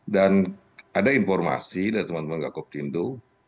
dan ada informasi dari teman teman gakob tindo